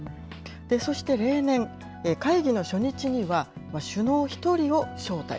そして例年、会議の初日には、首脳１人を招待。